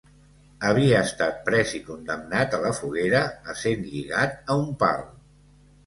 Havia estat pres i condemnat a la foguera, essent lligat a un pal.